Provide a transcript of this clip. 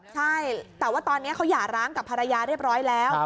ใช่แต่ว่าตอนนี้เขาหย่าร้างกับภรรยาเรียบร้อยแล้ว